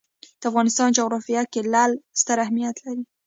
د افغانستان جغرافیه کې لعل ستر اهمیت لري.